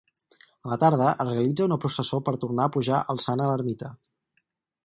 A la tarda es realitza una processó per tornar a pujar al Sant a l'ermita.